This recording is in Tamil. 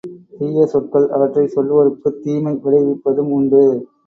தீய சொற்கள் அவற்றைச் சொல்வோருக்குத் தீமை விளைவிப்பதும் உண்டு.